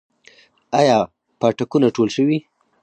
آیا پاټکونه ټول شوي؟